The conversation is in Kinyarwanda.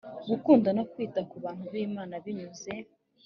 gukunda no kwita ku bantu b imana binyuze